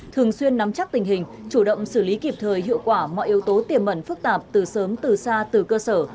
thường xuyên nắm chắc tình hình chủ động xử lý kịp thời hiệu quả mọi yếu tố tiềm mẩn phức tạp từ sớm từ xa từ cơ sở